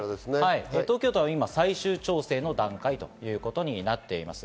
東京都は今、最終調整の段階ということになっています。